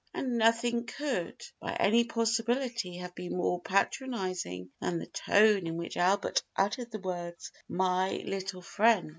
And nothing could, by any possibility, have been more patronizing than the tone in which Albert uttered the words "my little friend."